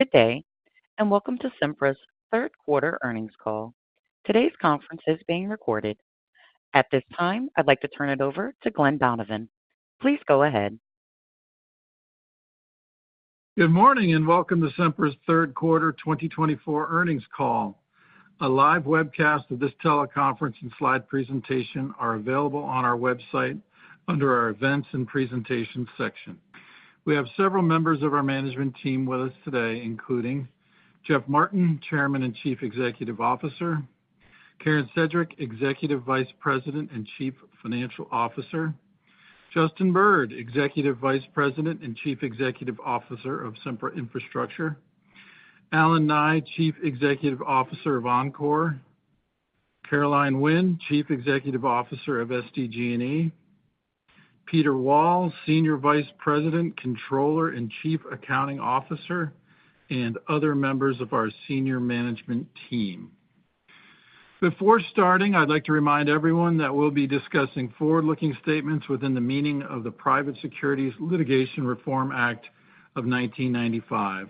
Good day, and welcome to Sempra's third quarter earnings call. Today's conference is being recorded. At this time, I'd like to turn it over to Glen Donovan. Please go ahead. Good morning, and welcome to Sempra's third quarter 2024 earnings call. A live webcast of this teleconference and slide presentation is available on our website under our events and presentations section. We have several members of our management team with us today, including Jeff Martin, Chairman and Chief Executive Officer, Karen Sedgwick, Executive Vice President and Chief Financial Officer, Justin Bird, Executive Vice President and Chief Executive Officer of Sempra Infrastructure, Allen Nye, Chief Executive Officer of Oncor, Caroline Winn, Chief Executive Officer of SDG&E, Peter Wall, Senior Vice President, Controller, and Chief Accounting Officer, and other members of our senior management team. Before starting, I'd like to remind everyone that we'll be discussing forward-looking statements within the meaning of the Private Securities Litigation Reform Act of 1995.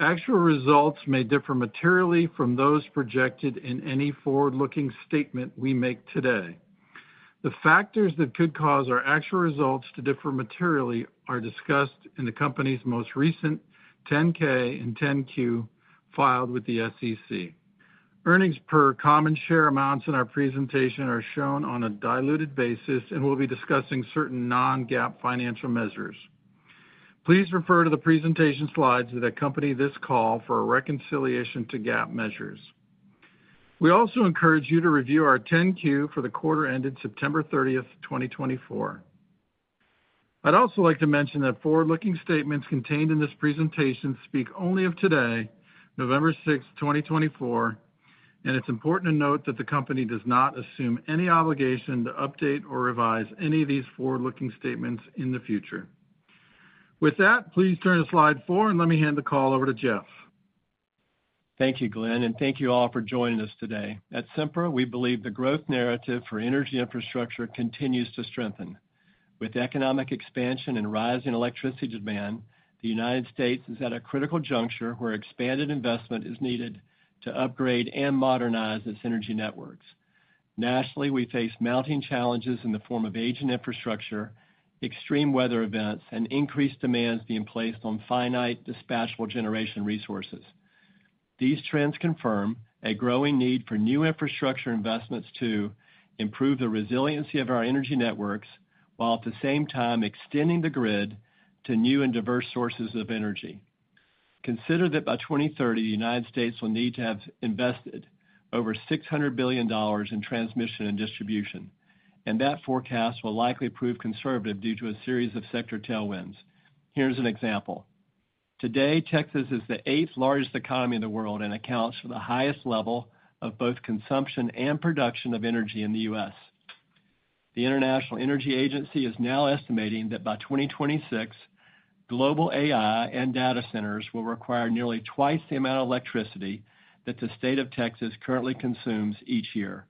Actual results may differ materially from those projected in any forward-looking statement we make today. The factors that could cause our actual results to differ materially are discussed in the company's most recent 10-K and 10-Q filed with the SEC. Earnings per common share amounts in our presentation are shown on a diluted basis, and we'll be discussing certain non-GAAP financial measures. Please refer to the presentation slides that accompany this call for a reconciliation to GAAP measures. We also encourage you to review our 10-Q for the quarter ended September 30th, 2024. I'd also like to mention that forward-looking statements contained in this presentation speak only of today, November 6th, 2024, and it's important to note that the company does not assume any obligation to update or revise any of these forward-looking statements in the future. With that, please turn to slide four, and let me hand the call over to Jeff. Thank you, Glen, and thank you all for joining us today. At Sempra, we believe the growth narrative for energy infrastructure continues to strengthen. With economic expansion and rising electricity demand, the United States is at a critical juncture where expanded investment is needed to upgrade and modernize its energy networks. Nationally, we face mounting challenges in the form of aging infrastructure, extreme weather events, and increased demands being placed on finite dispatchable generation resources. These trends confirm a growing need for new infrastructure investments to improve the resiliency of our energy networks while at the same time extending the grid to new and diverse sources of energy. Consider that by 2030, the United States will need to have invested over $600 billion in transmission and distribution, and that forecast will likely prove conservative due to a series of sector tailwinds. Here's an example. Today, Texas is the eighth-largest economy in the world and accounts for the highest level of both consumption and production of energy in the U.S. The International Energy Agency is now estimating that by 2026, global AI and data centers will require nearly twice the amount of electricity that the state of Texas currently consumes each year.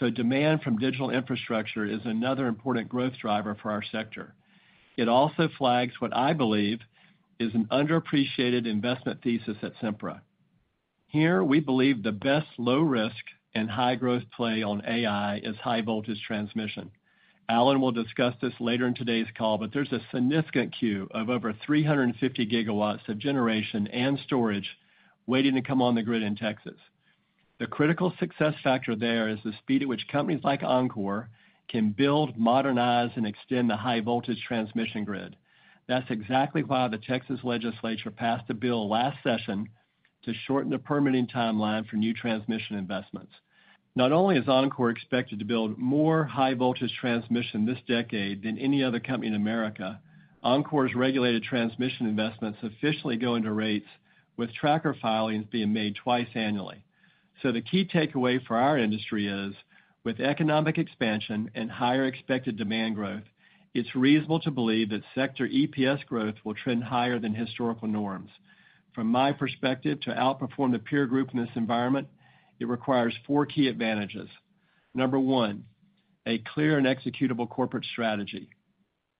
So demand from digital infrastructure is another important growth driver for our sector. It also flags what I believe is an underappreciated investment thesis at Sempra. Here, we believe the best low-risk and high-growth play on AI is high-voltage transmission. Allen will discuss this later in today's call, but there's a significant queue of over 350GW of generation and storage waiting to come on the grid in Texas. The critical success factor there is the speed at which companies like Oncor can build, modernize, and extend the high-voltage transmission grid. That's exactly why the Texas legislature passed a bill last session to shorten the permitting timeline for new transmission investments. Not only is Oncor expected to build more high-voltage transmission this decade than any other company in America, Oncor's regulated transmission investments officially go into rates, with tracker filings being made twice annually. So the key takeaway for our industry is, with economic expansion and higher expected demand growth, it's reasonable to believe that sector EPS growth will trend higher than historical norms. From my perspective, to outperform the peer group in this environment, it requires four key advantages. Number one, a clear and executable corporate strategy.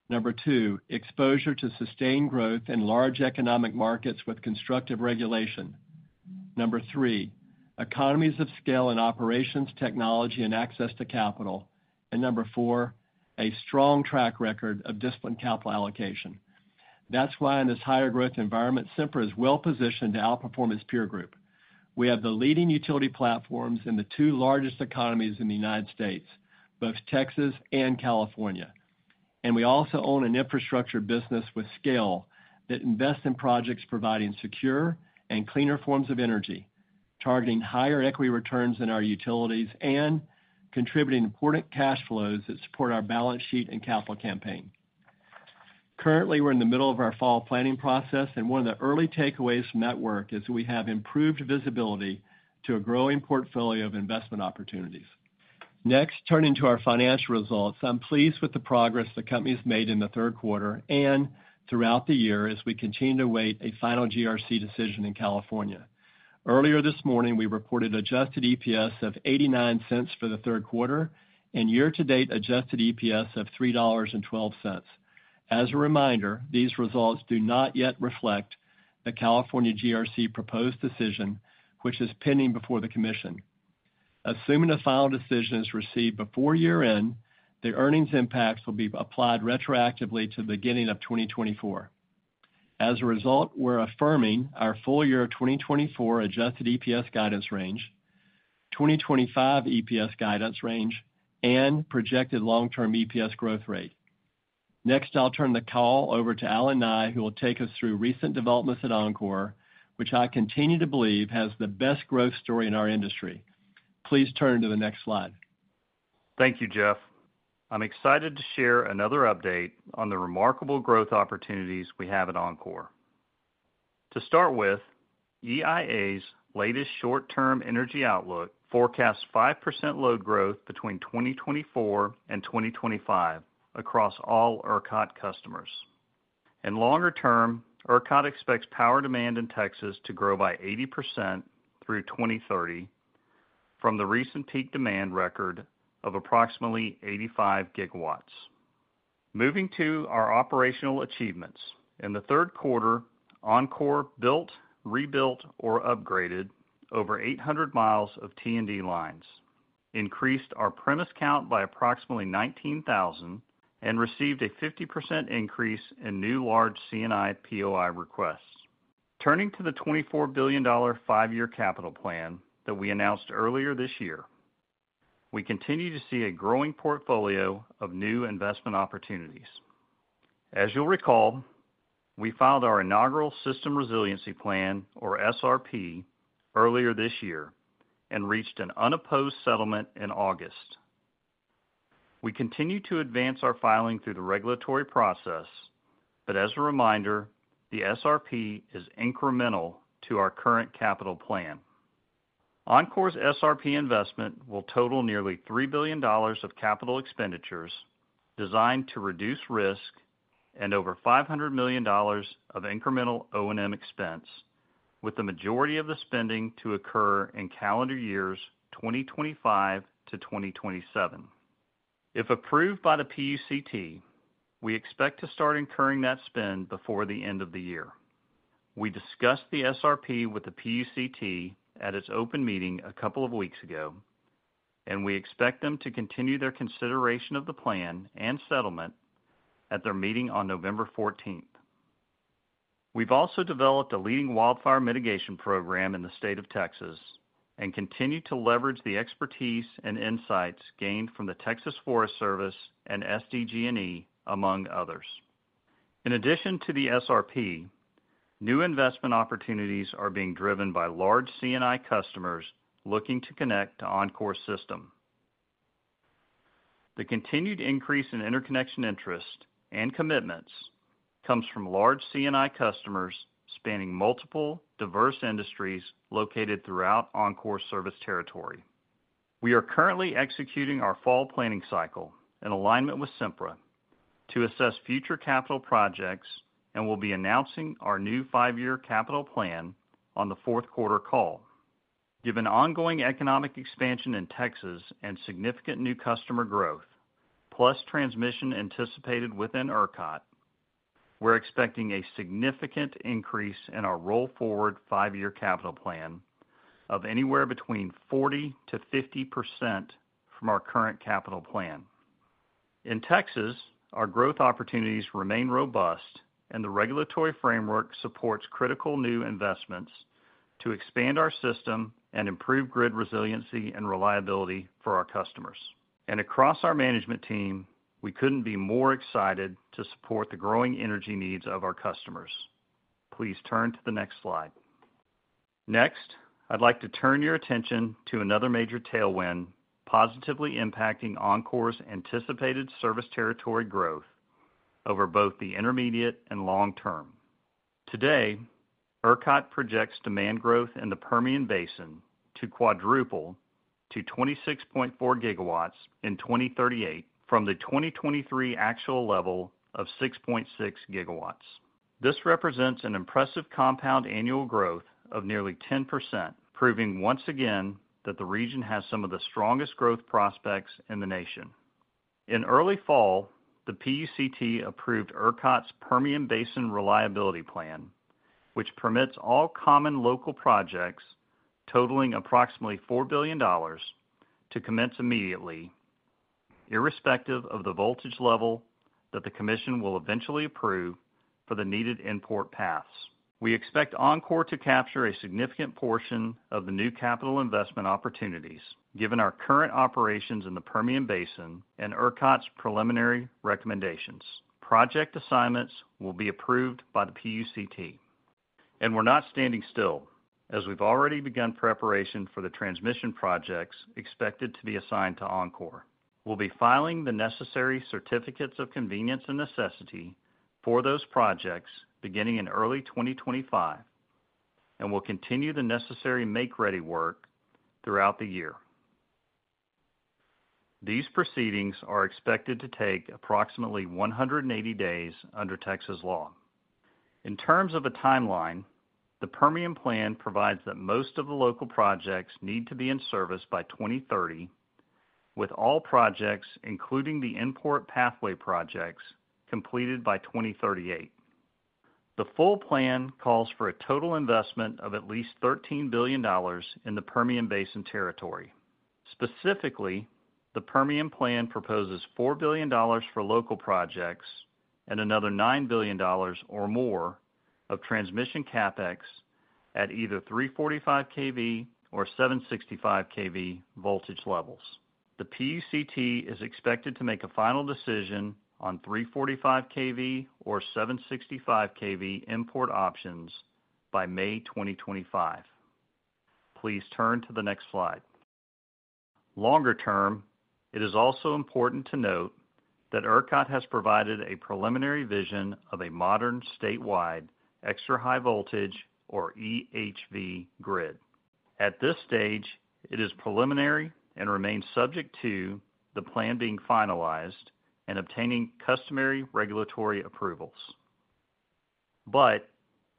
Number two, exposure to sustained growth in large economic markets with constructive regulation. Number three, economies of scale in operations, technology, and access to capital. And number four, a strong track record of disciplined capital allocation. That's why in this higher-growth environment, Sempra is well-positioned to outperform its peer group. We have the leading utility platforms in the two largest economies in the United States, both Texas and California. And we also own an infrastructure business with scale that invests in projects providing secure and cleaner forms of energy, targeting higher equity returns in our utilities, and contributing important cash flows that support our balance sheet and capital campaign. Currently, we're in the middle of our fall planning process, and one of the early takeaways from that work is we have improved visibility to a growing portfolio of investment opportunities. Next, turning to our financial results, I'm pleased with the progress the company's made in the third quarter and throughout the year as we continue to await a final GRC decision in California. Earlier this morning, we reported adjusted EPS of $0.89 for the third quarter and year-to-date adjusted EPS of $3.12. As a reminder, these results do not yet reflect the California GRC proposed decision, which is pending before the Commission. Assuming a final decision is received before year-end, the earnings impacts will be applied retroactively to the beginning of 2024. As a result, we're affirming our full year 2024 adjusted EPS guidance range, 2025 EPS guidance range, and projected long-term EPS growth rate. Next, I'll turn the call over to Allen Nye, who will take us through recent developments at Oncor, which I continue to believe has the best growth story in our industry. Please turn to the next slide. Thank you, Jeff. I'm excited to share another update on the remarkable growth opportunities we have at Oncor. To start with, EIA's latest short-term energy outlook forecasts 5% load growth between 2024 and 2025 across all ERCOT customers. In longer term, ERCOT expects power demand in Texas to grow by 80% through 2030 from the recent peak demand record of approximately 85 GW. Moving to our operational achievements. In the third quarter, Oncor built, rebuilt, or upgraded over 800 miles of T&D lines, increased our premise count by approximately 19,000, and received a 50% increase in new large C&I POI requests. Turning to the $24 billion five-year capital plan that we announced earlier this year, we continue to see a growing portfolio of new investment opportunities. As you'll recall, we filed our inaugural System Resiliency Plan, or SRP, earlier this year and reached an unopposed settlement in August. We continue to advance our filing through the regulatory process, but as a reminder, the SRP is incremental to our current capital plan. Oncor's SRP investment will total nearly $3 billion of capital expenditures designed to reduce risk and over $500 million of incremental O&M expense, with the majority of the spending to occur in calendar years 2025 to 2027. If approved by the PUCT, we expect to start incurring that spend before the end of the year. We discussed the SRP with the PUCT at its open meeting a couple of weeks ago, and we expect them to continue their consideration of the plan and settlement at their meeting on November 14th. We've also developed a leading wildfire mitigation program in the state of Texas and continue to leverage the expertise and insights gained from the Texas A&M Forest Service and SDG&E, among others. In addition to the SRP, new investment opportunities are being driven by large C&I customers looking to connect to Oncor's system. The continued increase in interconnection interest and commitments comes from large C&I customers spanning multiple, diverse industries located throughout Oncor's service territory. We are currently executing our fall planning cycle in alignment with Sempra to assess future capital projects and will be announcing our new five-year capital plan on the fourth quarter call. Given ongoing economic expansion in Texas and significant new customer growth, plus transmission anticipated within ERCOT, we're expecting a significant increase in our roll-forward five-year capital plan of anywhere between 40%-50% from our current capital plan. In Texas, our growth opportunities remain robust, and the regulatory framework supports critical new investments to expand our system and improve grid resiliency and reliability for our customers. Across our management team, we couldn't be more excited to support the growing energy needs of our customers. Please turn to the next slide. Next, I'd like to turn your attention to another major tailwind positively impacting Oncor's anticipated service territory growth over both the intermediate and long term. Today, ERCOT projects demand growth in the Permian Basin to quadruple to 26.4GW in 2038 from the 2023 actual level of 6.6GW. This represents an impressive compound annual growth of nearly 10%, proving once again that the region has some of the strongest growth prospects in the nation. In early fall, the PUCT approved ERCOT's Permian Basin Reliability Plan, which permits all common local projects totaling approximately $4 billion to commence immediately, irrespective of the voltage level that the Commission will eventually approve for the needed import paths. We expect Oncor to capture a significant portion of the new capital investment opportunities, given our current operations in the Permian Basin and ERCOT's preliminary recommendations. Project assignments will be approved by the PUCT, and we're not standing still, as we've already begun preparation for the transmission projects expected to be assigned to Oncor. We'll be filing the necessary certificates of convenience and necessity for those projects beginning in early 2025, and we'll continue the necessary make-ready work throughout the year. These proceedings are expected to take approximately 180 days under Texas law. In terms of a timeline, the Permian Plan provides that most of the local projects need to be in service by 2030, with all projects, including the import pathway projects, completed by 2038. The full plan calls for a total investment of at least $13 billion in the Permian Basin territory. Specifically, the Permian Plan proposes $4 billion for local projects and another $9 billion or more of transmission CapEx at either 345kV or 765kV voltage levels. The PUCT is expected to make a final decision on 345kV or 765kV import options by May 2025. Please turn to the next slide. Longer term, it is also important to note that ERCOT has provided a preliminary vision of a modern statewide extra high voltage, or EHV, grid. At this stage, it is preliminary and remains subject to the plan being finalized and obtaining customary regulatory approvals. But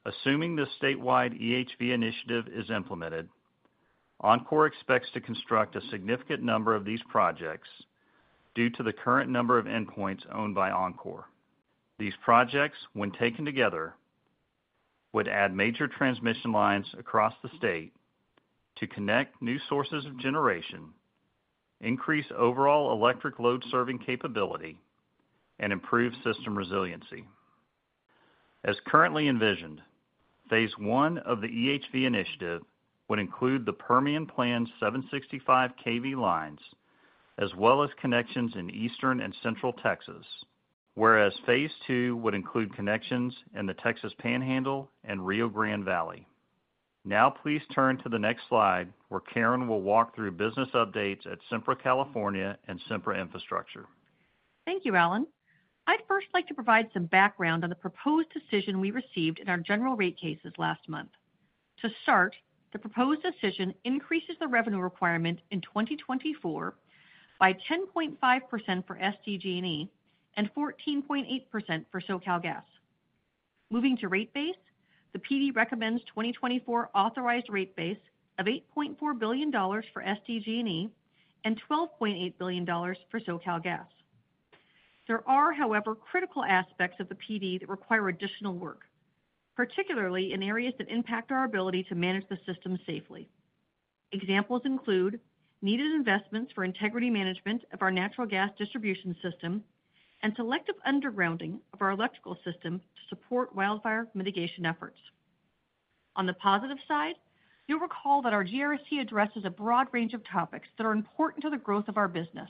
assuming this statewide EHV initiative is implemented, Oncor expects to construct a significant number of these projects due to the current number of endpoints owned by Oncor. These projects, when taken together, would add major transmission lines across the state to connect new sources of generation, increase overall electric load serving capability, and improve system resiliency. As currently envisioned, phase one of the EHV initiative would include the Permian Plan 765kV lines as well as connections in Eastern and Central Texas, whereas phase two would include connections in the Texas Panhandle and Rio Grande Valley. Now, please turn to the next slide, where Karen will walk through business updates at Sempra California, and Sempra Infrastructure. Thank you, Allen. I'd first like to provide some background on the proposed decision we received in our general rate cases last month. To start, the proposed decision increases the revenue requirement in 2024 by 10.5% for SDG&E and 14.8% for SoCalGas. Moving to rate base, the PD recommends 2024 authorized rate base of $8.4 billion for SDG&E and $12.8 billion for SoCalGas. There are, however, critical aspects of the PD that require additional work, particularly in areas that impact our ability to manage the system safely. Examples include needed investments for integrity management of our natural gas distribution system and selective undergrounding of our electrical system to support wildfire mitigation efforts. On the positive side, you'll recall that our GRC addresses a broad range of topics that are important to the growth of our business.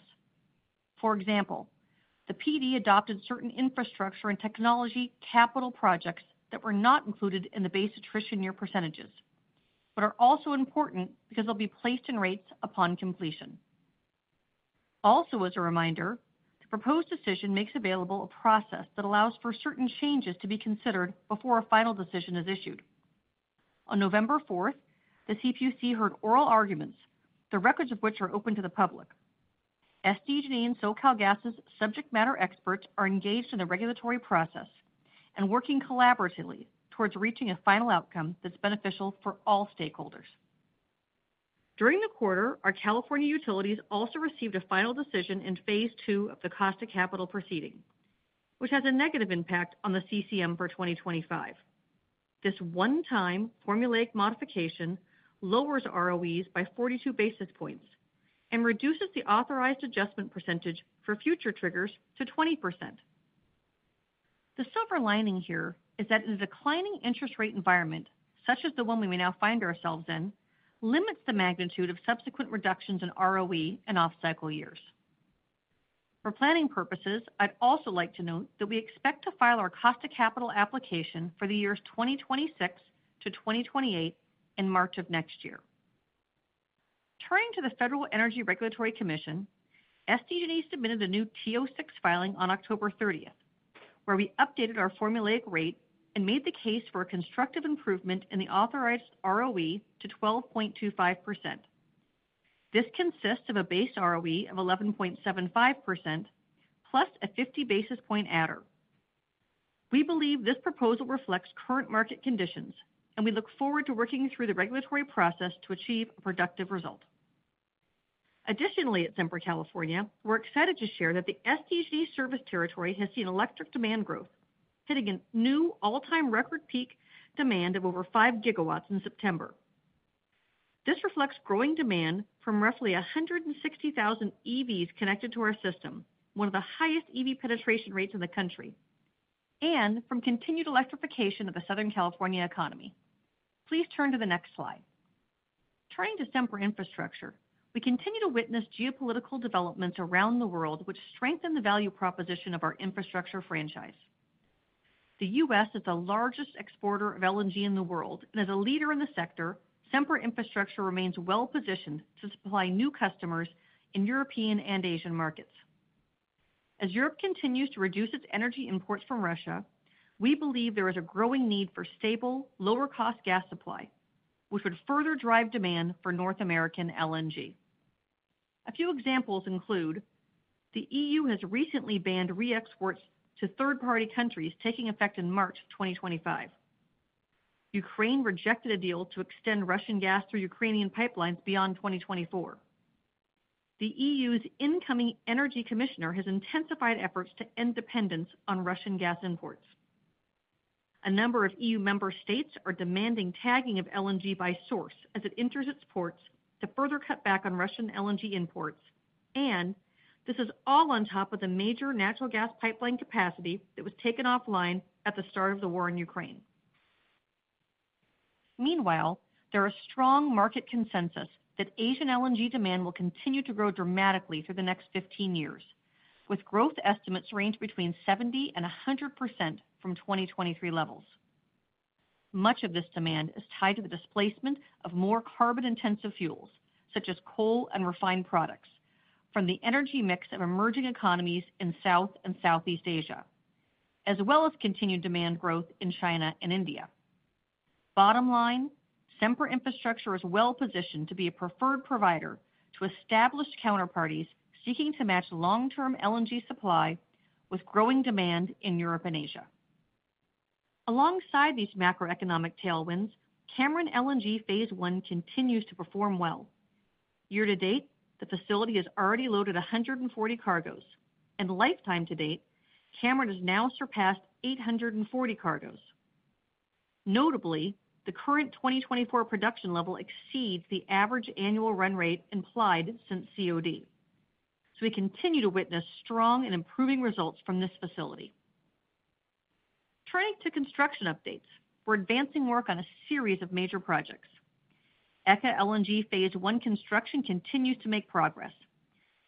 For example, the PD adopted certain infrastructure and technology capital projects that were not included in the base attrition year percentages, but are also important because they'll be placed in rates upon completion. Also, as a reminder, the proposed decision makes available a process that allows for certain changes to be considered before a final decision is issued. On November 4th, the CPUC heard oral arguments, the records of which are open to the public. SDG&E and SoCalGas's subject matter experts are engaged in the regulatory process and working collaboratively towards reaching a final outcome that's beneficial for all stakeholders. During the quarter, our California utilities also received a final decision in phase two of the cost of capital proceeding, which has a negative impact on the CCM for 2025. This one-time formulaic modification lowers ROEs by 42 basis points and reduces the authorized adjustment percentage for future triggers to 20%. The silver lining here is that in a declining interest rate environment, such as the one we may now find ourselves in, it limits the magnitude of subsequent reductions in ROE in off-cycle years. For planning purposes, I'd also like to note that we expect to file our cost of capital application for the years 2026 to 2028 in March of next year. Turning to the Federal Energy Regulatory Commission, SDG&E submitted a new TO-6 filing on October 30th, where we updated our formulaic rate and made the case for a constructive improvement in the authorized ROE to 12.25%. This consists of a base ROE of 11.75% plus a 50 basis point adder. We believe this proposal reflects current market conditions, and we look forward to working through the regulatory process to achieve a productive result. Additionally, at Sempra California, we're excited to share that the SDG&E service territory has seen electric demand growth, hitting a new all-time record peak demand of over 5GW in September. This reflects growing demand from roughly 160,000 EVs connected to our system, one of the highest EV penetration rates in the country, and from continued electrification of the Southern California economy. Please turn to the next slide. Turning to Sempra Infrastructure, we continue to witness geopolitical developments around the world which strengthen the value proposition of our infrastructure franchise. The U.S. is the largest exporter of LNG in the world, and as a leader in the sector, Sempra Infrastructure remains well-positioned to supply new customers in European and Asian markets. As Europe continues to reduce its energy imports from Russia, we believe there is a growing need for stable, lower-cost gas supply, which would further drive demand for North American LNG. A few examples include the EU has recently banned re-exports to third-party countries taking effect in March 2025. Ukraine rejected a deal to extend Russian gas through Ukrainian pipelines beyond 2024. The EU's incoming energy commissioner has intensified efforts to end dependence on Russian gas imports. A number of EU member states are demanding tagging of LNG by source as it enters its ports to further cut back on Russian LNG imports, and this is all on top of the major natural gas pipeline capacity that was taken offline at the start of the war in Ukraine. Meanwhile, there is strong market consensus that Asian LNG demand will continue to grow dramatically through the next 15 years, with growth estimates ranging between 70% and 100% from 2023 levels. Much of this demand is tied to the displacement of more carbon-intensive fuels, such as coal and refined products, from the energy mix of emerging economies in South and Southeast Asia, as well as continued demand growth in China and India. Bottom line, Sempra Infrastructure is well-positioned to be a preferred provider to established counterparties seeking to match long-term LNG supply with growing demand in Europe and Asia. Alongside these macroeconomic tailwinds, Cameron LNG Phase One continues to perform well. Year to date, the facility has already loaded 140 cargoes, and lifetime to date, Cameron has now surpassed 840 cargoes. Notably, the current 2024 production level exceeds the average annual run rate implied since COD, so we continue to witness strong and improving results from this facility. Turning to construction updates, we're advancing work on a series of major projects. ECA LNG Phase One construction continues to make progress.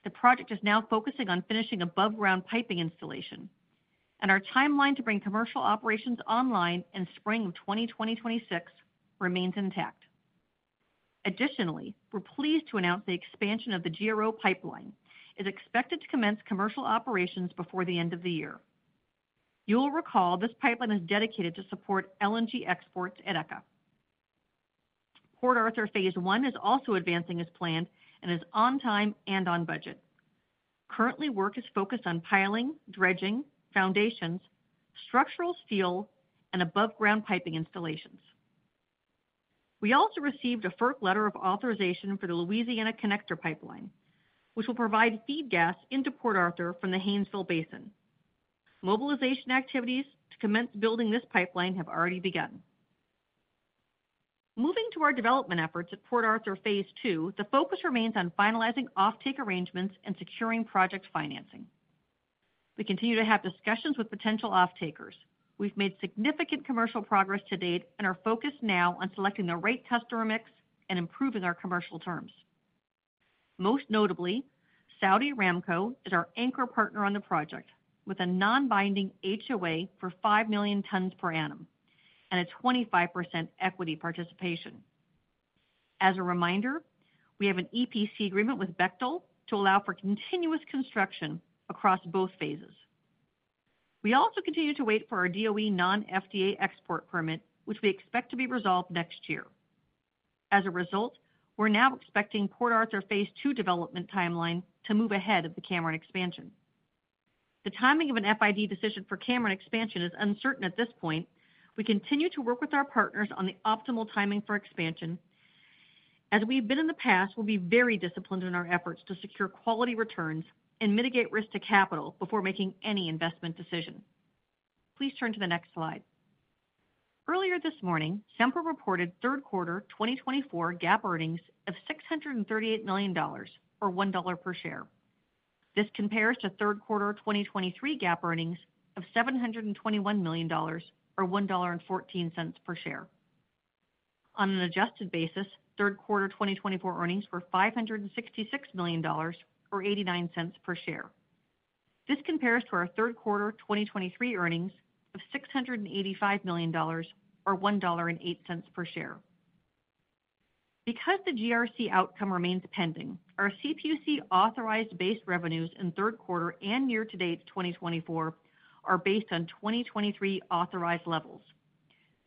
The project is now focusing on finishing above-ground piping installation, and our timeline to bring commercial operations online in spring of 2026 remains intact. Additionally, we're pleased to announce the expansion of the GRO pipeline is expected to commence commercial operations before the end of the year. You'll recall this pipeline is dedicated to support LNG exports at ECA. Port Arthur Phase One is also advancing as planned and is on time and on budget. Currently, work is focused on piling, dredging, foundations, structural steel, and above-ground piping installations. We also received a FERC letter of authorization for the Louisiana Connector pipeline, which will provide feed gas into Port Arthur from the Haynesville Basin. Mobilization activities to commence building this pipeline have already begun. Moving to our development efforts at Port Arthur Phase 2, the focus remains on finalizing off-take arrangements and securing project financing. We continue to have discussions with potential off-takers. We've made significant commercial progress to date and are focused now on selecting the right customer mix and improving our commercial terms. Most notably, Saudi Aramco is our anchor partner on the project, with a non-binding HOA for 5 million tons per annum and a 25% equity participation. As a reminder, we have an EPC agreement with Bechtel to allow for continuous construction across both phases. We also continue to wait for our DOE non-FTA export permit, which we expect to be resolved next year. As a result, we're now expecting Port Arthur Phase 2 development timeline to move ahead of the Cameron expansion. The timing of an FID decision for Cameron expansion is uncertain at this point. We continue to work with our partners on the optimal timing for expansion. As we've been in the past, we'll be very disciplined in our efforts to secure quality returns and mitigate risk to capital before making any investment decision. Please turn to the next slide. Earlier this morning, Sempra reported third quarter 2024 GAAP earnings of $638 million, or $1 per share. This compares to third quarter 2023 GAAP earnings of $721 million, or $1.14 per share. On an adjusted basis, third quarter 2024 earnings were $566 million, or $0.89 per share. This compares to our third quarter 2023 earnings of $685 million, or $1.08 per share. Because the GRC outcome remains pending, our CPUC authorized base revenues in third quarter and year to date 2024 are based on 2023 authorized levels.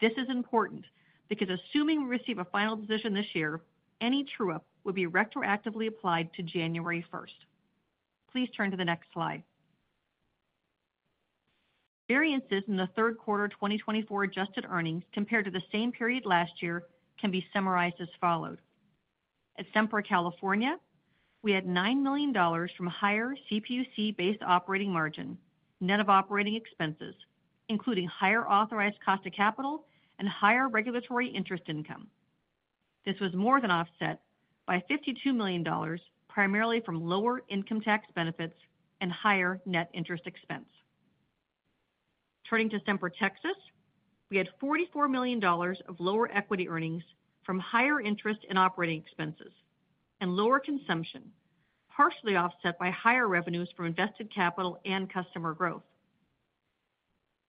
This is important because assuming we receive a final decision this year, any true-up would be retroactively applied to January 1st. Please turn to the next slide. Variances in the third quarter 2024 adjusted earnings compared to the same period last year can be summarized as follows. At Sempra California, we had $9 million from higher CPUC-based operating margin, net of operating expenses, including higher authorized cost of capital and higher regulatory interest income. This was more than offset by $52 million, primarily from lower income tax benefits and higher net interest expense. Turning to Sempra Texas, we had $44 million of lower equity earnings from higher interest and operating expenses and lower consumption, partially offset by higher revenues from invested capital and customer growth.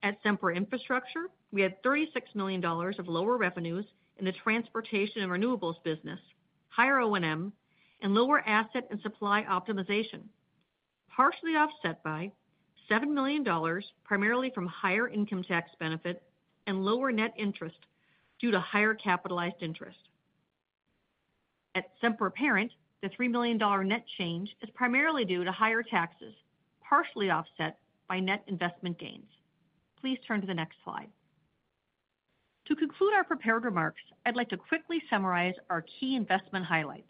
At Sempra Infrastructure, we had $36 million of lower revenues in the transportation and renewables business, higher O&M, and lower asset and supply optimization, partially offset by $7 million, primarily from higher income tax benefit and lower net interest due to higher capitalized interest. At Sempra Parent, the $3 million net change is primarily due to higher taxes, partially offset by net investment gains. Please turn to the next slide. To conclude our prepared remarks, I'd like to quickly summarize our key investment highlights.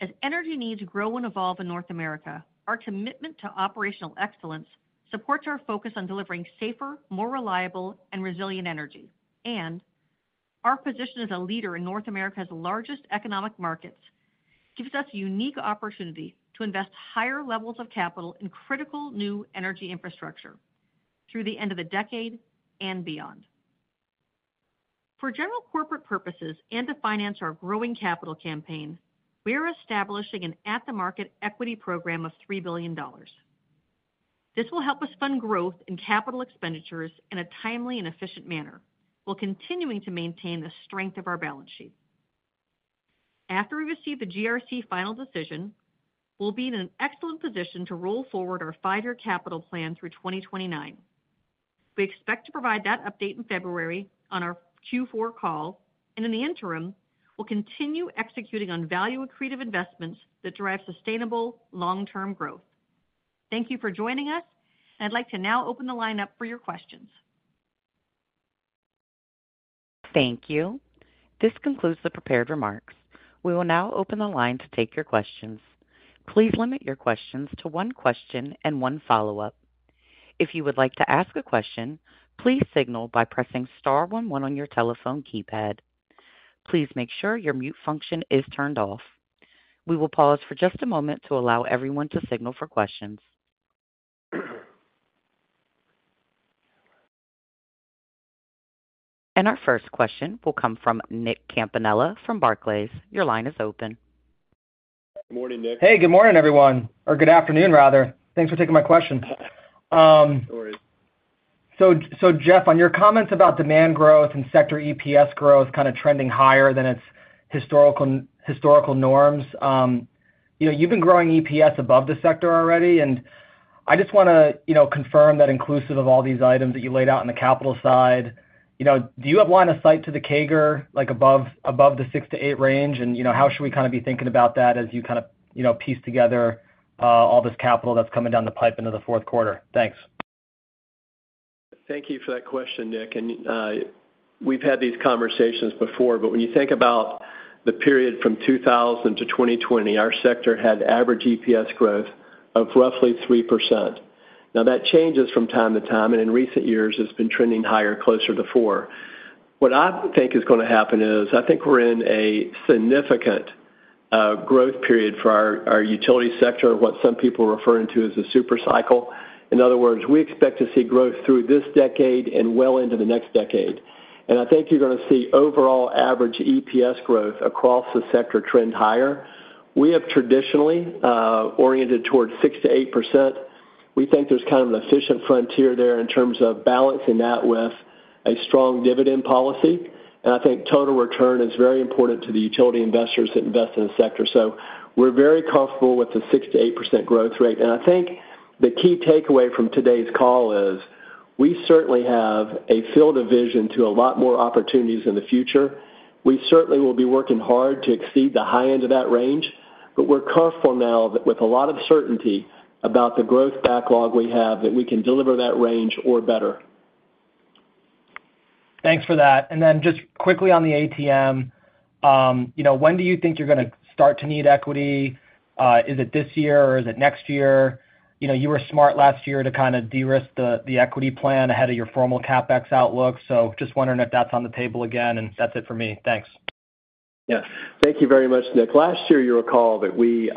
As energy needs grow and evolve in North America, our commitment to operational excellence supports our focus on delivering safer, more reliable, and resilient energy, and our position as a leader in North America's largest economic markets gives us a unique opportunity to invest higher levels of capital in critical new energy infrastructure through the end of the decade and beyond. For general corporate purposes and to finance our growing capital campaign, we are establishing an at-the-market equity program of $3 billion. This will help us fund growth in capital expenditures in a timely and efficient manner, while continuing to maintain the strength of our balance sheet. After we receive the GRC final decision, we'll be in an excellent position to roll forward our five-year capital plan through 2029. We expect to provide that update in February on our Q4 call, and in the interim, we'll continue executing on value-accretive investments that drive sustainable long-term growth. Thank you for joining us, and I'd like to now open the line up for your questions. Thank you. This concludes the prepared remarks. We will now open the line to take your questions. Please limit your questions to one question and one follow-up. If you would like to ask a question, please signal by pressing star 11 on your telephone keypad. Please make sure your mute function is turned off. We will pause for just a moment to allow everyone to signal for questions. And our first question will come from Nick Campanella from Barclays. Your line is open. Good morning, Nick. Hey, good morning, everyone, or good afternoon, rather. Thanks for taking my question. No worries. So, Jeff, on your comments about demand growth and sector EPS growth kind of trending higher than its historical norms, you've been growing EPS above the sector already, and I just want to confirm that inclusive of all these items that you laid out on the capital side, do you have line of sight to the CAGR above the 6%-8% range, and how should we kind of be thinking about that as you kind of piece together all this capital that's coming down the pipe into the fourth quarter? Thanks. Thank you for that question, Nick. We've had these conversations before, but when you think about the period from 2000 to 2020, our sector had average EPS growth of roughly 3%. Now, that changes from time to time, and in recent years, it's been trending higher, closer to 4%. What I think is going to happen is I think we're in a significant growth period for our utility sector, what some people are referring to as a supercycle. In other words, we expect to see growth through this decade and well into the next decade, and I think you're going to see overall average EPS growth across the sector trend higher. We have traditionally oriented towards 6%-8%. We think there's kind of an efficient frontier there in terms of balancing that with a strong dividend policy, and I think total return is very important to the utility investors that invest in the sector, so we're very comfortable with the 6%-8% growth rate, and I think the key takeaway from today's call is we certainly have a field of vision to a lot more opportunities in the future. We certainly will be working hard to exceed the high end of that range, but we're comfortable now with a lot of certainty about the growth backlog we have that we can deliver that range or better. Thanks for that. And then just quickly on the ATM, when do you think you're going to start to need equity? Is it this year, or is it next year? You were smart last year to kind of de-risk the equity plan ahead of your formal CapEx outlook. So just wondering if that's on the table again, and that's it for me. Thanks. Yeah. Thank you very much, Nick. Last year, you recall that we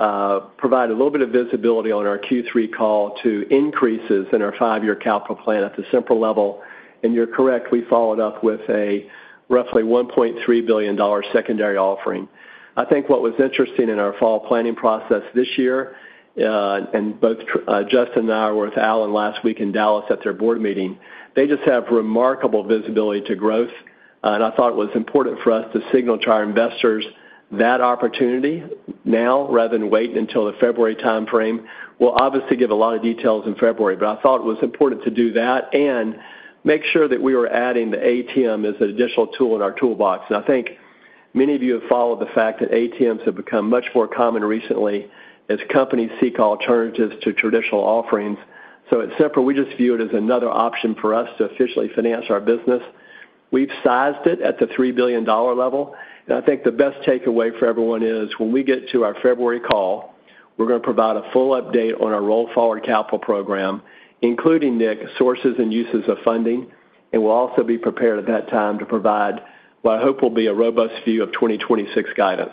provided a little bit of visibility on our Q3 call to increases in our five-year capital plan at the Sempra level. And you're correct, we followed up with a roughly $1.3 billion secondary offering. I think what was interesting in our fall planning process this year, and both Justin and I were with Allen last week in Dallas at their board meeting, they just have remarkable visibility to growth, and I thought it was important for us to signal to our investors that opportunity now rather than waiting until the February timeframe. We'll obviously give a lot of details in February, but I thought it was important to do that and make sure that we were adding the ATM as an additional tool in our toolbox, and I think many of you have followed the fact that ATMs have become much more common recently as companies seek alternatives to traditional offerings, so at Sempra, we just view it as another option for us to efficiently finance our business. We've sized it at the $3 billion level. I think the best takeaway for everyone is when we get to our February call, we're going to provide a full update on our roll forward capital program, including Nick, sources and uses of funding, and we'll also be prepared at that time to provide what I hope will be a robust view of 2026 guidance.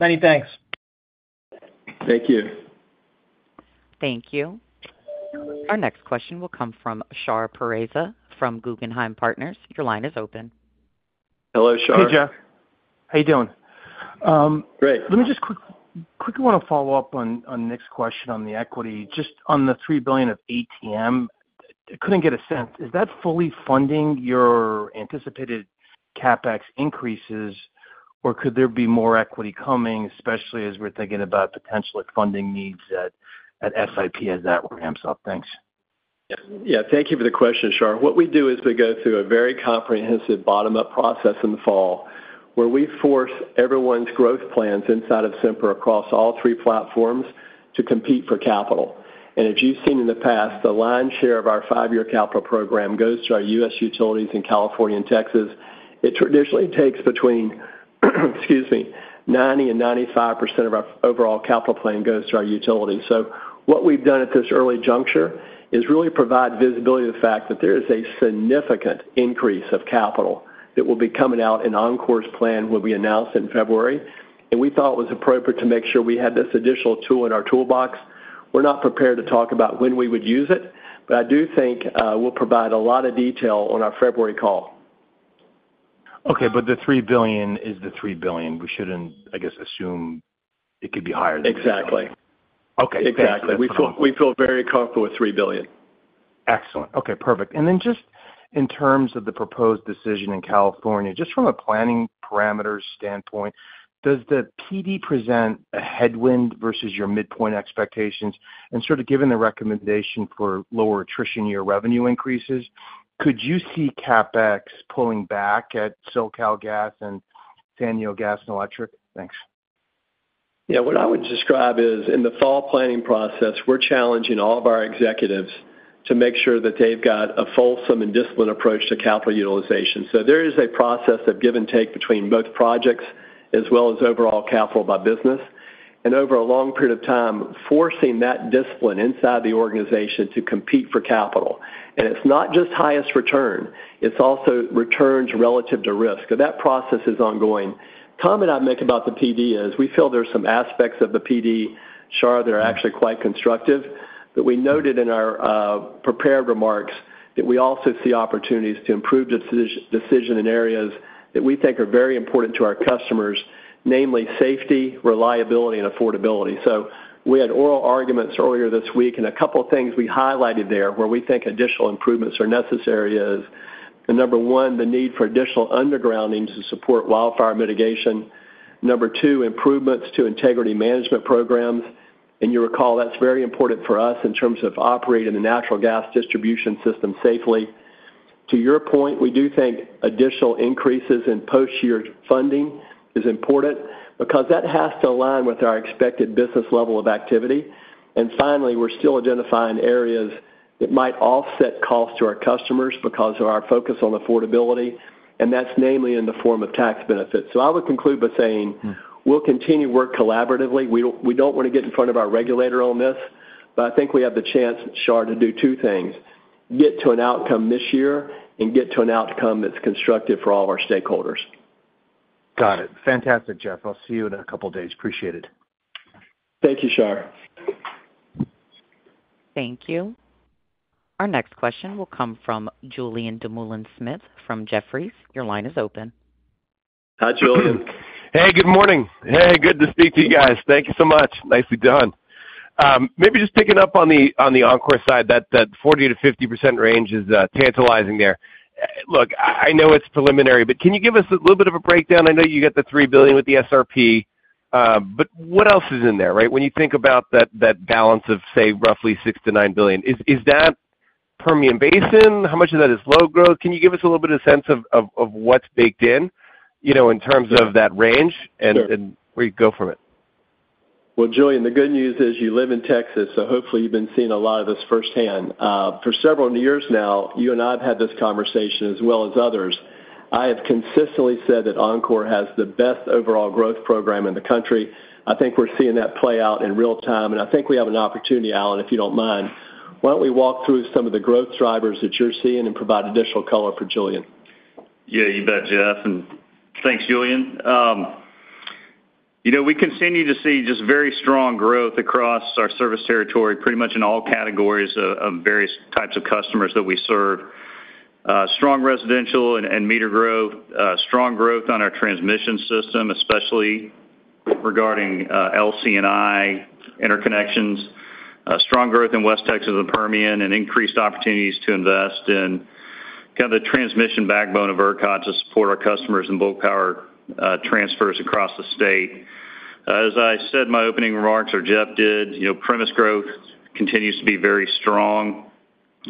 Many thanks. Thank you. Thank you. Our next question will come from Shar Pourreza from Guggenheim Partners. Your line is open. Hello, Shar. Hey, Jeff. How are you doing? Great. Let me just quickly want to follow up on Nick's question on the equity. Just on the $3 billion of ATM, I couldn't get a sense. Is that fully funding your anticipated CapEx increases, or could there be more equity coming, especially as we're thinking about potential funding needs at SIP as that ramps up? Thanks. Yeah. Thank you for the question, Shar. What we do is we go through a very comprehensive bottom-up process in the fall where we force everyone's growth plans inside of Sempra across all three platforms to compete for capital. And as you've seen in the past, the lion's share of our five-year capital program goes to our U.S. utilities in California and Texas. It traditionally takes between, excuse me, 90%-95% of our overall capital plan goes to our utilities. So what we've done at this early juncture is really provide visibility of the fact that there is a significant increase of capital that will be coming out in Oncor's plan when we announce in February. And we thought it was appropriate to make sure we had this additional tool in our toolbox. We're not prepared to talk about when we would use it, but I do think we'll provide a lot of detail on our February call. Okay. But the $3 billion is the $3 billion. We shouldn't, I guess, assume it could be higher than that. Exactly. Okay. Exactly. We feel very comfortable with $3 billion. Excellent. Okay. Perfect. And then just in terms of the proposed decision in California, just from a planning parameter standpoint, does the PD present a headwind versus your midpoint expectations? And sort of given the recommendation for lower attrition year revenue increases, could you see CapEx pulling back at SoCalGas and San Diego Gas and Electric? Thanks. Yeah. What I would describe is in the full planning process, we're challenging all of our executives to make sure that they've got a fulsome and disciplined approach to capital utilization. So there is a process of give and take between both projects as well as overall capital by business. And over a long period of time, forcing that discipline inside the organization to compete for capital. And it's not just highest return. It's also returns relative to risk. That process is ongoing. Comment I'd make about the PD is we feel there are some aspects of the PD, Shar, that are actually quite constructive, but we noted in our prepared remarks that we also see opportunities to improve decision in areas that we think are very important to our customers, namely safety, reliability, and affordability. So we had oral arguments earlier this week, and a couple of things we highlighted there where we think additional improvements are necessary is, number one, the need for additional undergrounding to support wildfire mitigation. Number two, improvements to integrity management programs. And you recall that's very important for us in terms of operating the natural gas distribution system safely. To your point, we do think additional increases in post-year funding is important because that has to align with our expected business level of activity. And finally, we're still identifying areas that might offset costs to our customers because of our focus on affordability, and that's namely in the form of tax benefits. So I would conclude by saying we'll continue to work collaboratively. We don't want to get in front of our regulator on this, but I think we have the chance, Shar, to do two things: get to an outcome this year and get to an outcome that's constructive for all of our stakeholders. Got it. Fantastic, Jeff. I'll see you in a couple of days. Appreciate it. Thank you, Shar. Thank you. Our next question will come from Julien Dumoulin-Smith from Jefferies. Your line is open. Hi, Julien. Hey, good morning. Hey, good to speak to you guys. Thank you so much. Nicely done. Maybe just picking up on the Oncor side, that 40%-50% range is tantalizing there. Look, I know it's preliminary, but can you give us a little bit of a breakdown? I know you got the $3 billion with the SRP, but what else is in there, right? When you think about that balance of, say, roughly $6 billion-$9 billion, is that Permian Basin? How much of that is load growth? Can you give us a little bit of a sense of what's baked in in terms of that range and where you go from it? Well, Julien, the good news is you live in Texas, so hopefully you've been seeing a lot of this firsthand. For several years now, you and I have had this conversation as well as others. I have consistently said that Oncor has the best overall growth program in the country. I think we're seeing that play out in real time, and I think we have an opportunity, Allen, if you don't mind. Why don't we walk through some of the growth drivers that you're seeing and provide additional color for Julien? Yeah, you bet, Jeff. And thanks, Julien. We continue to see just very strong growth across our service territory, pretty much in all categories of various types of customers that we serve. Strong residential and meter growth, strong growth on our transmission system, especially regarding LC&I interconnections, strong growth in West Texas and Permian, and increased opportunities to invest in kind of the transmission backbone of ERCOT to support our customers in bulk power transfers across the state. As I said, my opening remarks or Jeff did, premise growth continues to be very strong.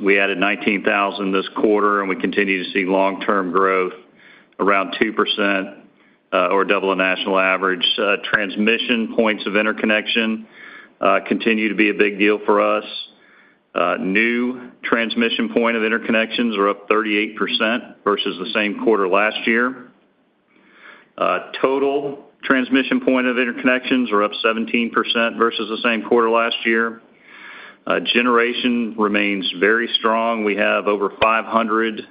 We added 19,000 this quarter, and we continue to see long-term growth, around 2% or double the national average. Transmission points of interconnection continue to be a big deal for us. New transmission point of interconnections are up 38% versus the same quarter last year. Total transmission point of interconnections are up 17% versus the same quarter last year. Generation remains very strong. We have over 500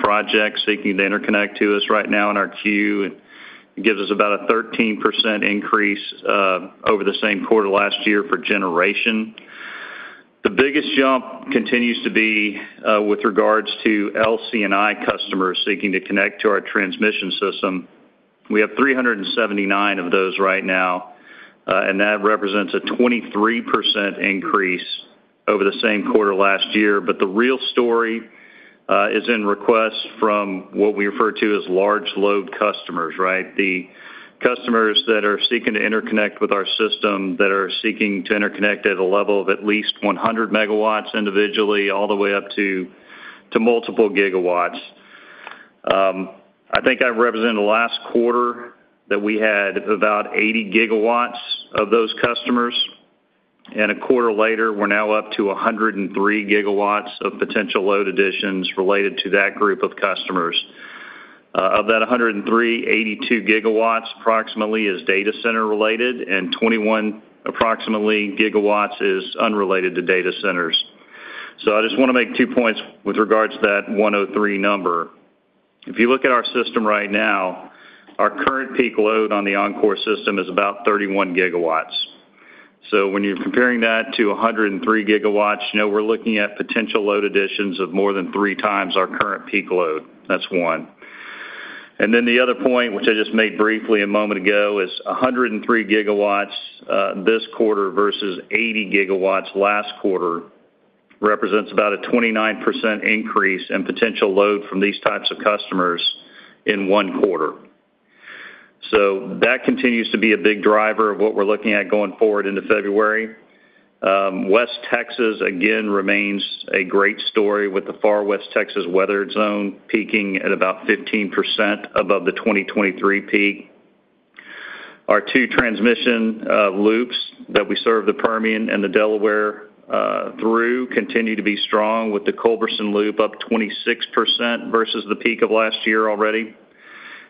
projects seeking to interconnect to us right now in our queue. It gives us about a 13% increase over the same quarter last year for generation. The biggest jump continues to be with regards to LC&I customers seeking to connect to our transmission system. We have 379 of those right now, and that represents a 23% increase over the same quarter last year, but the real story is in requests from what we refer to as large load customers, right? The customers that are seeking to interconnect with our system, that are seeking to interconnect at a level of at least 100MW individually, all the way up to multiple gigawatts. I think I reported last quarter that we had about 80GW of those customers, and a quarter later, we're now up to 103GW of potential load additions related to that group of customers. Of that 103, 82GW approximately is data center related, and 21 approximately gigawatts is unrelated to data centers. So I just want to make two points with regards to that 103 number. If you look at our system right now, our current peak load on the Oncor system is about 31GW. So when you're comparing that to 103GW we're looking at potential load additions of more than three times our current peak load. That's one. And then the other point, which I just made briefly a moment ago, is 103GW this quarter versus 80GW last quarter represents about a 29% increase in potential load from these types of customers in one quarter. So that continues to be a big driver of what we're looking at going forward into February. West Texas, again, remains a great story with the far West Texas weather zone peaking at about 15% above the 2023 peak. Our two transmission loops that we serve the Permian and the Delaware through continue to be strong with the Culberson Loop up 26% versus the peak of last year already,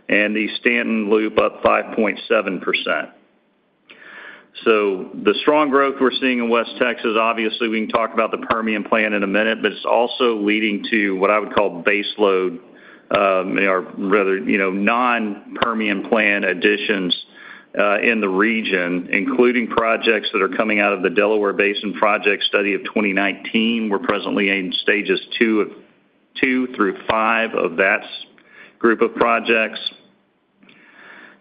and the Stanton Loop up 5.7%. So the strong growth we're seeing in West Texas, obviously, we can talk about the Permian load in a minute, but it's also leading to what I would call base load, or rather non-Permian load additions in the region, including projects that are coming out of the Delaware Basin project study of 2019. We're presently in stages two through five of that group of projects,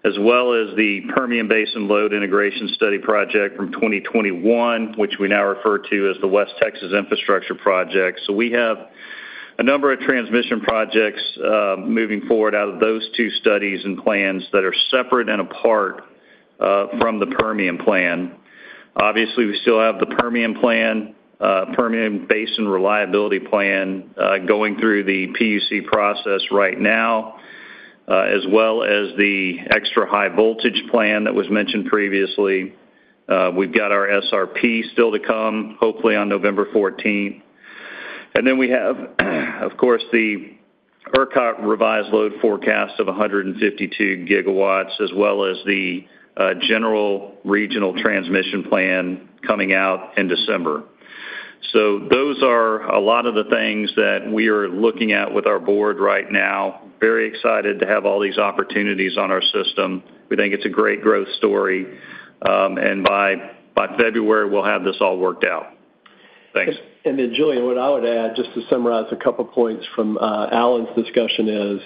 as well as the Permian Basin Load Integration Study project from 2021, which we now refer to as the West Texas Infrastructure Project. So we have a number of transmission projects moving forward out of those two studies and plans that are separate and apart from the Permian plan. Obviously, we still have the Permian plan, Permian Basin reliability plan going through the PUC process right now, as well as the extra high voltage plan that was mentioned previously. We've got our SRP still to come, hopefully on November 14th. And then we have, of course, the ERCOT revised load forecast of 152GW, as well as the general regional transmission plan coming out in December. So those are a lot of the things that we are looking at with our board right now. Very excited to have all these opportunities on our system. We think it's a great growth story. And by February, we'll have this all worked out. Thanks. And then, Julien, what I would add just to summarize a couple of points from Allen's discussion is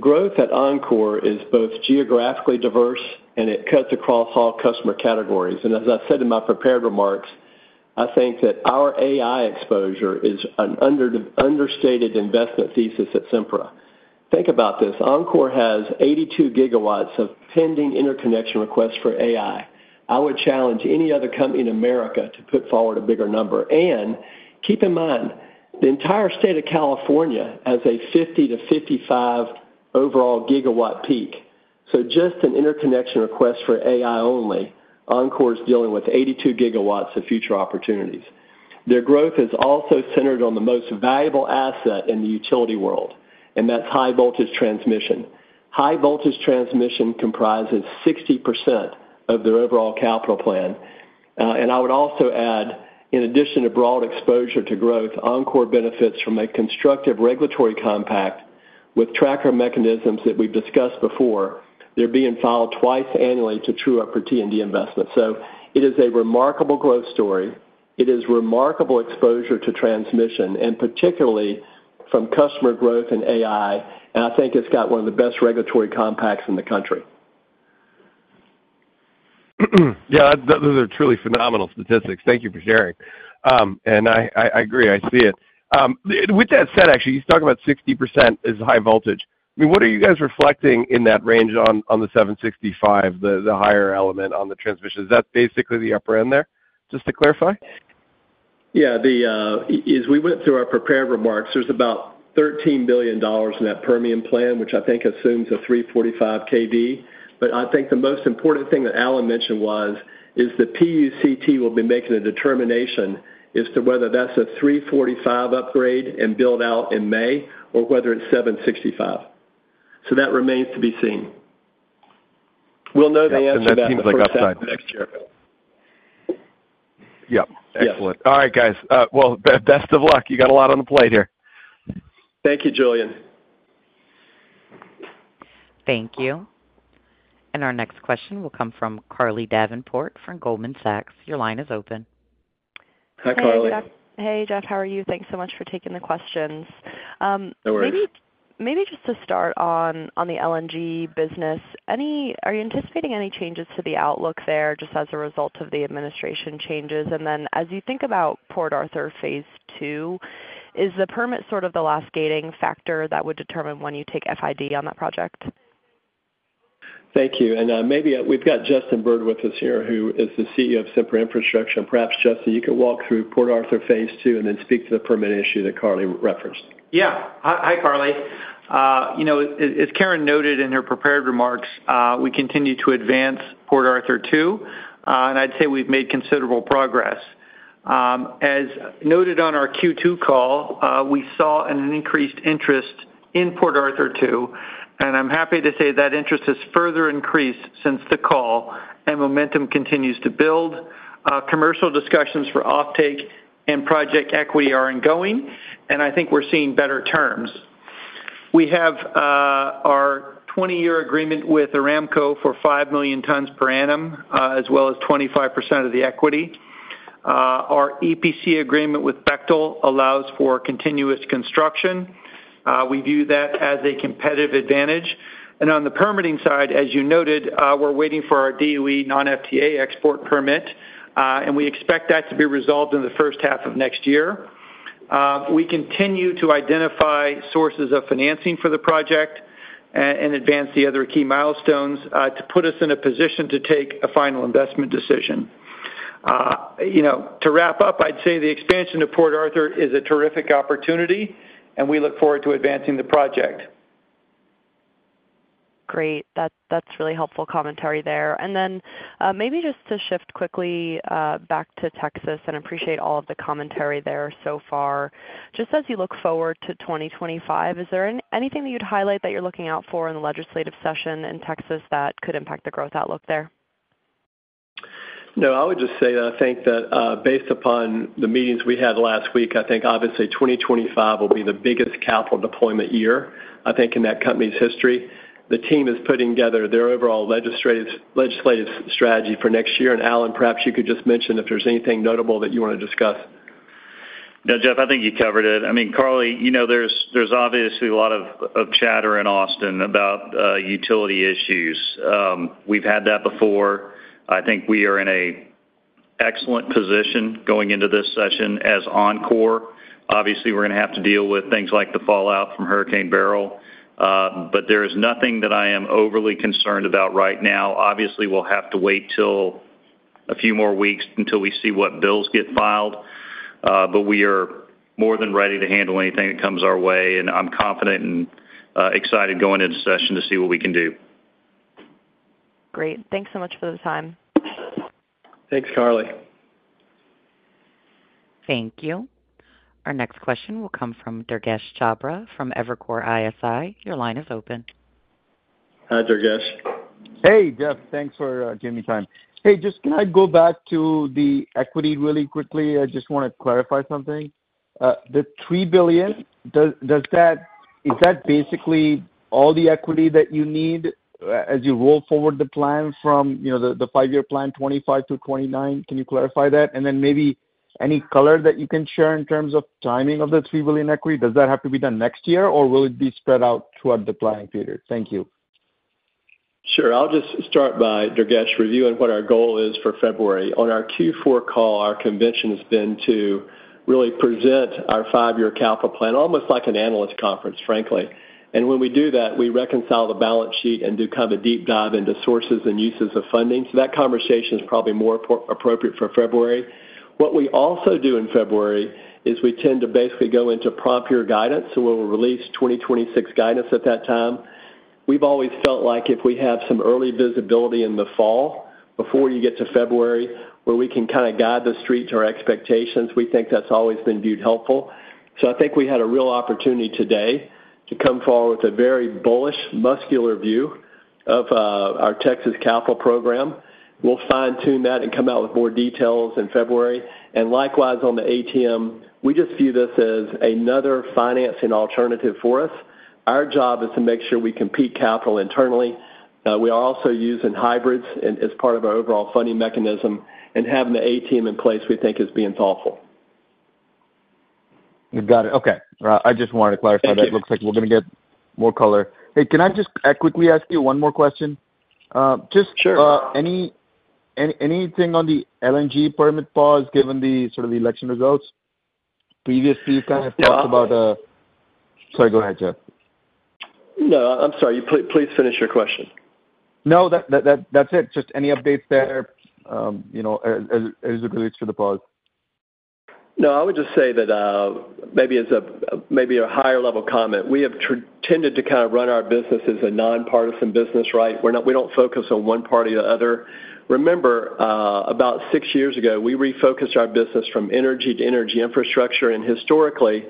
growth at Oncor is both geographically diverse, and it cuts across all customer categories. And as I said in my prepared remarks, I think that our AI exposure is an understated investment thesis at Sempra. Think about this. Oncor has 82GW of pending interconnection requests for AI. I would challenge any other company in America to put forward a bigger number. And keep in mind, the entire state of California has a 50-55 overall gigawatt peak. So just an interconnection request for AI only, Oncor is dealing with 82GW of future opportunities. Their growth is also centered on the most valuable asset in the utility world, and that's high voltage transmission. High voltage transmission comprises 60% of their overall capital plan. And I would also add, in addition to broad exposure to growth, Oncor benefits from a constructive regulatory compact with tracker mechanisms that we've discussed before. They're being filed twice annually to true up for T&D investments. So it is a remarkable growth story. It is remarkable exposure to transmission, and particularly from customer growth and AI. And I think it's got one of the best regulatory compacts in the country. Yeah, those are truly phenomenal statistics. Thank you for sharing. And I agree. I see it. With that said, actually, you talk about 60% is high voltage. I mean, what are you guys reflecting in that range on the 765kV, the higher element on the transmission? Is that basically the upper end there? Just to clarify. Yeah. As we went through our prepared remarks, there's about $13 billion in that Permian plan, which I think assumes a 345kV. But I think the most important thing that Allen mentioned was the PUCT will be making a determination as to whether that's a 345 upgrade and build out in May or whether it's 765. So that remains to be seen. We'll know the answer to that question next year. Yep. Excellent. All right, guys. Well, best of luck. You got a lot on the plate here. Thank you, Julien. Thank you. And our next question will come from Carly Davenport from Goldman Sachs. Your line is open. Hi, Carly. Hey, Jeff. How are you? Thanks so much for taking the questions. No worries. Maybe just to start on the LNG business, are you anticipating any changes to the outlook there just as a result of the administration changes? And then as you think about Port Arthur Phase 2, is the permit sort of the last gating factor that would determine when you take FID on that project? Thank you. And maybe we've got Justin Bird with us here, who is the CEO of Sempra Infrastructure. And perhaps, Justin, you could walk through Port Arthur Phase 2 and then speak to the permit issue that Carly referenced. Yeah. Hi, Carly. As Karen noted in her prepared remarks, we continue to advance Port Arthur two, and I'd say we've made considerable progress. As noted on our Q2 call, we saw an increased interest in Port Arthur two, and I'm happy to say that interest has further increased since the call, and momentum continues to build. Commercial discussions for offtake and project equity are ongoing, and I think we're seeing better terms. We have our 20-year agreement with Aramco for 5 million tons per annum, as well as 25% of the equity. Our EPC agreement with Bechtel allows for continuous construction. We view that as a competitive advantage. And on the permitting side, as you noted, we're waiting for our DOE non-FTA export permit, and we expect that to be resolved in the first half of next year. We continue to identify sources of financing for the project and advance the other key milestones to put us in a position to take a final investment decision. To wrap up, I'd say the expansion of Port Arthur is a terrific opportunity, and we look forward to advancing the project. Great. That's really helpful commentary there. And then maybe just to shift quickly back to Texas and appreciate all of the commentary there so far. Just as you look forward to 2025, is there anything that you'd highlight that you're looking out for in the legislative session in Texas that could impact the growth outlook there? No, I would just say that I think that based upon the meetings we had last week, I think obviously 2025 will be the biggest capital deployment year, I think, in that company's history. The team is putting together their overall legislative strategy for next year. And Allen, perhaps you could just mention if there's anything notable that you want to discuss. No, Jeff, I think you covered it. I mean, Carly, there's obviously a lot of chatter in Austin about utility issues. We've had that before. I think we are in an excellent position going into this session as Oncor. Obviously, we're going to have to deal with things like the fallout from Hurricane Beryl, but there is nothing that I am overly concerned about right now. Obviously, we'll have to wait till a few more weeks until we see what bills get filed, but we are more than ready to handle anything that comes our way, and I'm confident and excited going into session to see what we can do. Great. Thanks so much for the time. Thanks, Carly. Thank you. Our next question will come from Durgesh Chopra from Evercore ISI. Your line is open. Hi, Durgesh. Hey, Jeff. Thanks for giving me time. Hey, just can I go back to the equity really quickly? I just want to clarify something. The $3 billion, is that basically all the equity that you need as you roll forward the plan from the five-year plan 2025 to 2029? Can you clarify that? And then maybe any color that you can share in terms of timing of the $3 billion equity? Does that have to be done next year, or will it be spread out throughout the planning period? Thank you. Sure. I'll just start by, Durgesh, reviewing what our goal is for February. On our Q4 call, our convention has been to really present our five-year capital plan, almost like an analyst conference, frankly. And when we do that, we reconcile the balance sheet and do kind of a deep dive into sources and uses of funding. So that conversation is probably more appropriate for February. What we also do in February is we tend to basically go into prompt year guidance. So we'll release 2026 guidance at that time. We've always felt like if we have some early visibility in the fall before you get to February where we can kind of guide the Street to our expectations, we think that's always been viewed helpful. So I think we had a real opportunity today to come forward with a very bullish, muscular view of our Texas capital program. We'll fine-tune that and come out with more details in February. And likewise, on the ATM, we just view this as another financing alternative for us. Our job is to make sure we compete capital internally. We are also using hybrids as part of our overall funding mechanism, and having the ATM in place, we think, is being thoughtful. You got it. Okay. I just wanted to clarify that it looks like we're going to get more color. Hey, can I just quickly ask you one more question? Just anything on the LNG permit pause given the sort of election results? Previously, you kind of talked about, sorry, go ahead, Jeff. No, I'm sorry. Please finish your question. No, that's it. Just any updates there as it relates to the pause? No, I would just say that maybe as a higher-level comment, we have tended to kind of run our business as a nonpartisan business, right? We don't focus on one party or the other. Remember, about six years ago, we refocused our business from energy to energy infrastructure. And historically,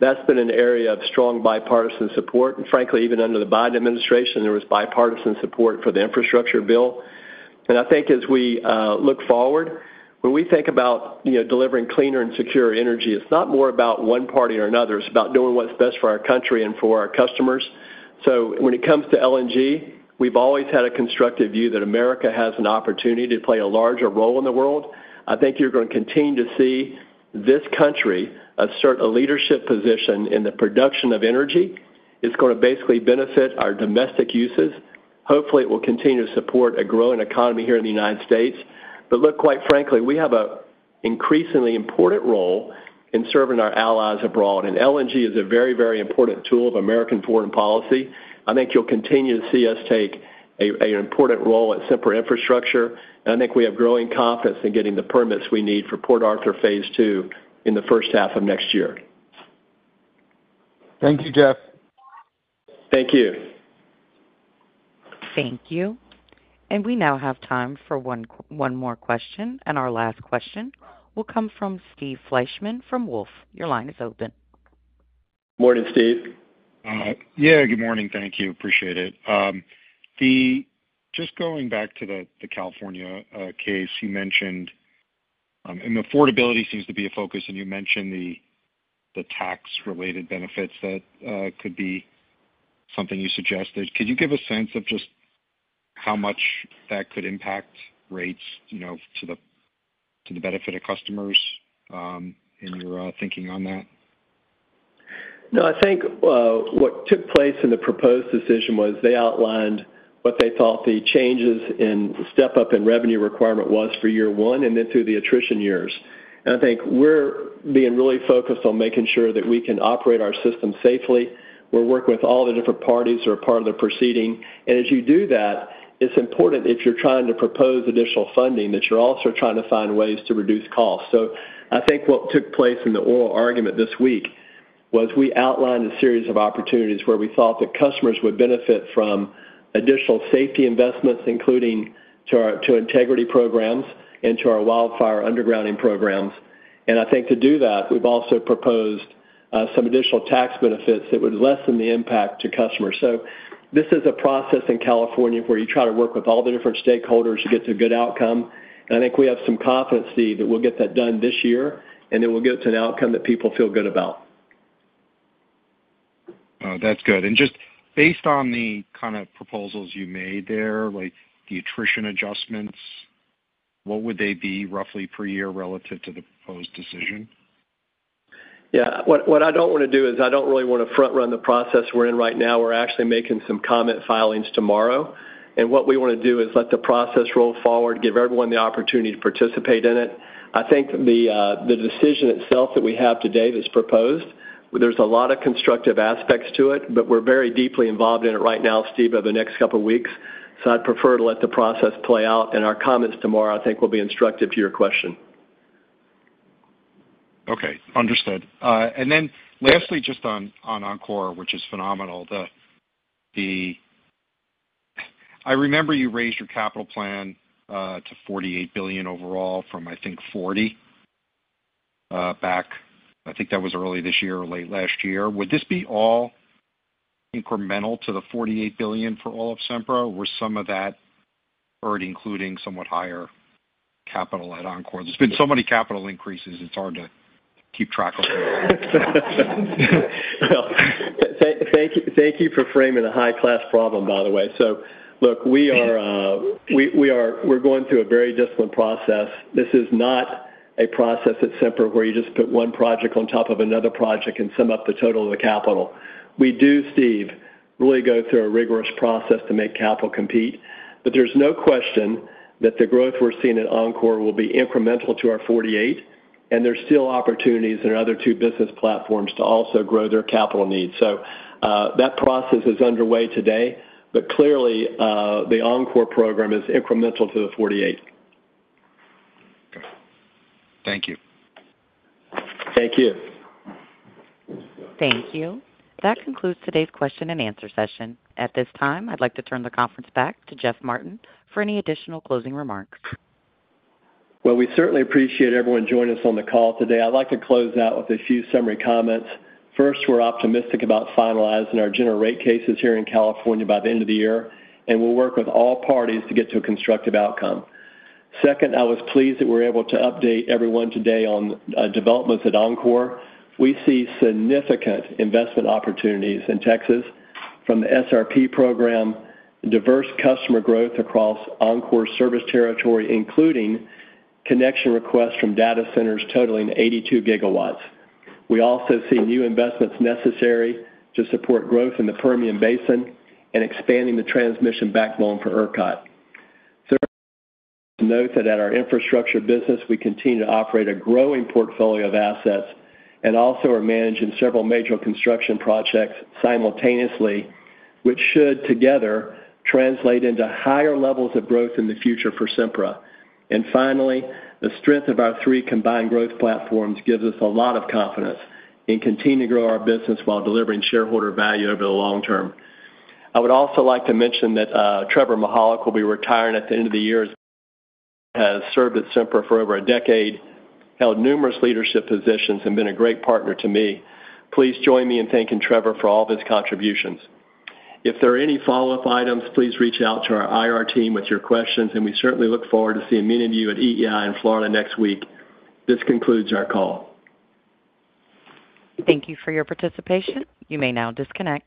that's been an area of strong bipartisan support. And frankly, even under the Biden administration, there was bipartisan support for the infrastructure bill. And I think as we look forward, when we think about delivering cleaner and secure energy, it's not more about one party or another. It's about doing what's best for our country and for our customers. So when it comes to LNG, we've always had a constructive view that America has an opportunity to play a larger role in the world. I think you're going to continue to see this country assert a leadership position in the production of energy. It's going to basically benefit our domestic uses. Hopefully, it will continue to support a growing economy here in the United States. But look, quite frankly, we have an increasingly important role in serving our allies abroad. And LNG is a very, very important tool of American foreign policy. I think you'll continue to see us take an important role at Sempra Infrastructure. And I think we have growing confidence in getting the permits we need for Port Arthur Phase 2 in the first half of next year. Thank you, Jeff. Thank you. Thank you. And we now have time for one more question. And our last question will come from Steve Fleishman from Wolfe. Your line is open. Morning, Steve. Yeah, good morning. Thank you. Appreciate it. Just going back to the California case, you mentioned affordability seems to be a focus, and you mentioned the tax-related benefits that could be something you suggested. Could you give a sense of just how much that could impact rates to the benefit of customers in your thinking on that? No, I think what took place in the proposed decision was they outlined what they thought the changes in step-up and revenue requirement was for year one and then through the attrition years. And I think we're being really focused on making sure that we can operate our system safely. We're working with all the different parties that are part of the proceeding. And as you do that, it's important if you're trying to propose additional funding that you're also trying to find ways to reduce costs. So I think what took place in the oral argument this week was we outlined a series of opportunities where we thought that customers would benefit from additional safety investments, including to our integrity programs and to our wildfire undergrounding programs. And I think to do that, we've also proposed some additional tax benefits that would lessen the impact to customers. So this is a process in California where you try to work with all the different stakeholders to get to a good outcome. And I think we have some confidence, Steve, that we'll get that done this year, and then we'll get to an outcome that people feel good about. That's good. Just based on the kind of proposals you made there, like the attrition adjustments, what would they be roughly per year relative to the proposed decision? Yeah. What I don't want to do is I don't really want to front-run the process we're in right now. We're actually making some comment filings tomorrow. What we want to do is let the process roll forward, give everyone the opportunity to participate in it. I think the decision itself that we have today that's proposed. There's a lot of constructive aspects to it, but we're very deeply involved in it right now, Steve, over the next couple of weeks. I'd prefer to let the process play out. Our comments tomorrow, I think, will be instructive to your question. Okay. Understood. Then lastly, just on Oncor, which is phenomenal. I remember you raised your capital plan to $48 billion overall from, I think, $40 billion back. I think that was early this year or late last year. Would this be all incremental to the $48 billion for all of Sempra, or was some of that already including somewhat higher capital at Oncor? There's been so many capital increases; it's hard to keep track of things. Thank you for framing a high-class problem, by the way. So look, we are going through a very disciplined process. This is not a process at Sempra where you just put one project on top of another project and sum up the total of the capital. We do, Steve, really go through a rigorous process to make capital compete. But there's no question that the growth we're seeing at Oncor will be incremental to our 48, and there's still opportunities in other two business platforms to also grow their capital needs. So that process is underway today, but clearly, the Oncor program is incremental to the 48. Thank you. Thank you. Thank you. That concludes today's question and answer session. At this time, I'd like to turn the conference back to Jeff Martin for any additional closing remarks. We certainly appreciate everyone joining us on the call today. I'd like to close out with a few summary comments. First, we're optimistic about finalizing our general rate cases here in California by the end of the year, and we'll work with all parties to get to a constructive outcome. Second, I was pleased that we were able to update everyone today on developments at Oncor. We see significant investment opportunities in Texas from the SRP program, diverse customer growth across Oncor's service territory, including connection requests from data centers totaling 82 GW. We also see new investments necessary to support growth in the Permian Basin and expanding the transmission backbone for ERCOT. Third, to note that at our infrastructure business, we continue to operate a growing portfolio of assets and also are managing several major construction projects simultaneously, which should together translate into higher levels of growth in the future for Sempra. And finally, the strength of our three combined growth platforms gives us a lot of confidence in continuing to grow our business while delivering shareholder value over the long term. I would also like to mention that Trevor Mihalik will be retiring at the end of the year as he has served at Sempra for over a decade, held numerous leadership positions, and been a great partner to me. Please join me in thanking Trevor for all of his contributions. If there are any follow-up items, please reach out to our IR team with your questions, and we certainly look forward to seeing many of you at EEI in Florida next week. This concludes our call. Thank you for your participation. You may now disconnect.